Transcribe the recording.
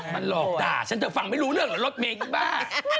มันหลอกด่าฉันเธอฟังไม่รู้เรื่องรถเมฆอีกบ้าง